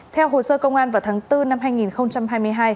theo hồ sơ công an vào tháng bốn năm hai nghìn hai mươi hai